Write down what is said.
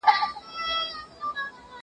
زه اجازه لرم چي پاکوالی وکړم؟!